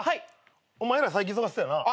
お前ら最近忙しそうやな。